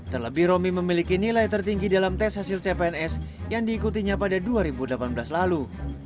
terlebih romi memiliki nilai tertinggi dalam tes hasil cpns yang diikutinya pada dua ribu delapan belas lalu